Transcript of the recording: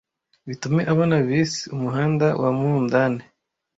bitume abona vice umuhanda wa mundane